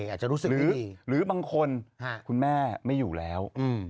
อาจจะรู้สึกหรือบางคนคุณแม่ไม่อยู่แล้ว